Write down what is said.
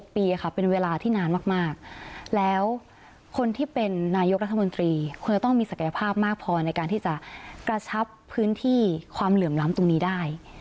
ปีค่ะเป็นเวลาที่นานมากแล้วคนที่เป็นนายกรัฐมนตรีควรจะต้องมีศักยภาพมากพอในการที่จะกระชับพื้นที่ความเหลื่อมล้ำตรงนี้ได้